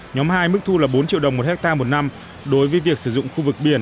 nhóm hai mức thu là bốn triệu đồng một hectare một năm đối với việc sử dụng khu vực biển